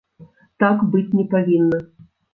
Так быць не павінна.